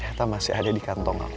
atau masih ada di kantong aku